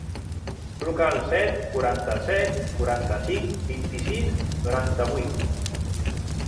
Truca al set, quaranta-set, quaranta-cinc, vint-i-sis, noranta-vuit.